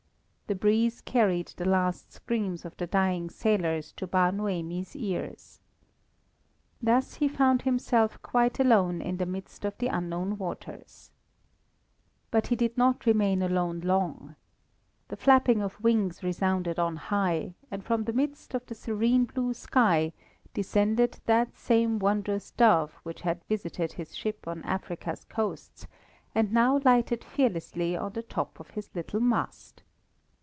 The breeze carried the last screams of the dying sailors to Bar Noemi's ears. Thus he found himself quite alone in the midst of the unknown waters. But he did not remain alone long. The flapping of wings resounded on high, and from the midst of the serene blue sky, descended that same wondrous dove which had visited his ship on Africa's coasts, and now lighted fearlessly on the top of his little mast.